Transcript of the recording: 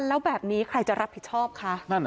แล้วแบบนี้ใครจะรับผิดชอบคะ